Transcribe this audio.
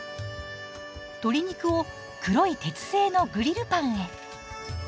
鶏肉を黒い鉄製のグリルパンへ。